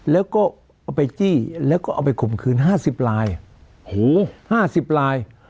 แล้วก็เอาไปจี้แล้วก็เอาไปขมคืนห้าสิบลายโหห้าสิบลาย